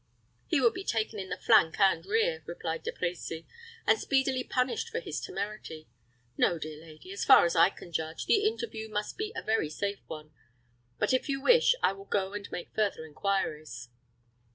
"He would be taken in the flank and rear," replied De Brecy, "and speedily punished for his temerity. No, dear lady, as far as I can judge, the interview must be a very safe one. But, if you wish, I will go and make further inquiries."